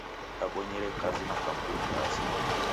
Dabonyere kazi na kampuni ndazi.